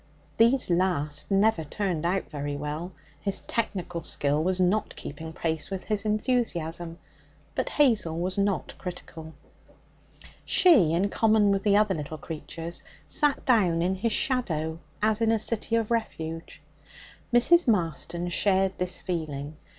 These last never turned out very well, his technical skill not keeping pace with his enthusiasm; but Hazel was not critical. She, in common with the other little creatures, sat down in his shadow as in a city of refuge. Mrs. Marston shared this feeling.